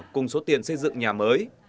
cùng số tiền xây dựng nhà mới